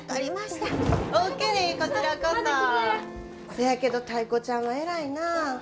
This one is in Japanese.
せやけどタイ子ちゃんは偉いなあ。